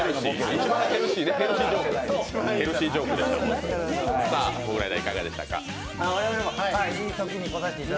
一番ヘルシーで、ヘルシージョークでした。